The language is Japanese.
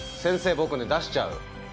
僕ね出しちゃう。